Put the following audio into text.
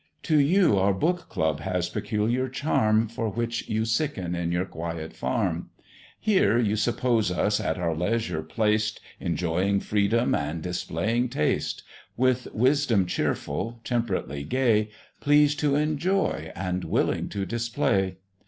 To you our Book club has peculiar charm, For which you sicken in your quiet farm; Here you suppose us at our leisure placed, Enjoying freedom, and displaying taste: With wisdom cheerful, temperately gay, Pleased to enjoy, and willing to display.